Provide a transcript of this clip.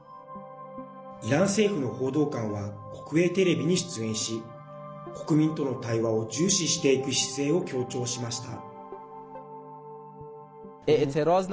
イラン政府の報道官は国営テレビに出演し国民との対話を重視していく姿勢を強調しました。